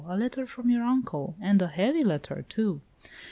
A letter from your uncle! And a heavy letter, too!"